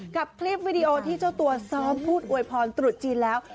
คลิปวิดีโอที่เจ้าตัวซ้อมพูดอวยพรตรุษจีนแล้ว